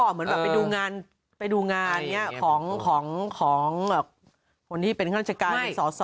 เหมือนแบบไปดูงานของคนที่เป็นฆาติการในส่อ